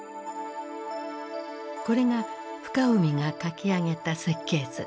これが深海が描き上げた設計図。